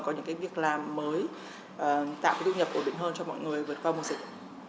có những cái việc làm mới tạo cái thu nhập ổn định hơn cho mọi người vượt qua mùa dịch